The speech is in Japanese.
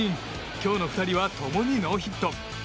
今日の２人は共にノーヒット。